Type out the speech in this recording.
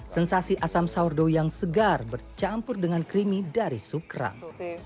sensasi asam sourdough yang segar bercampur dengan creamy dari sup kerang